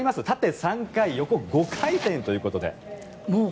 縦３回、横５回転ということで。